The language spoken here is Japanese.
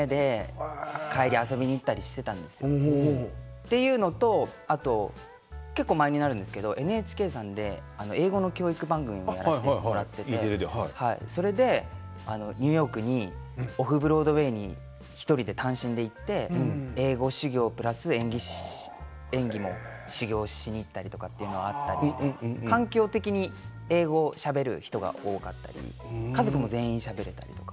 っていうのとあと結構前になるんですけどＮＨＫさんで英語の教育番組もやらせてもらっててそれでニューヨークにオフ・ブロードウェイに一人で単身で行って英語修業プラス演技も修業しに行ったりとかというのがあったりして環境的に英語をしゃべる人が多かったり家族も全員しゃべれたりとか。